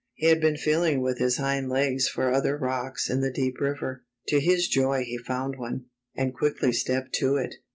He had been feeling with his hind legs for other rocks in the deep river. To his joy he found one, and quickly stepped to it.